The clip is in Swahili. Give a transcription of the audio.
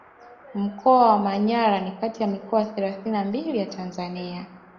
Mkoa wa Manyara ni kati ya mikoa thelathini na mbili ya Tanzania